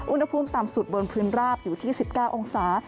อุณหภูมิต่ำสุดบนพื้นราบอยู่ที่๑๙องศา